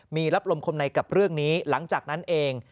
มีรับลมคมในกับเรื่องนี้หลังจากนั้นเอง